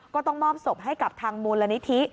ก็ต้องมอบศพให้กับทางมูลนิธิ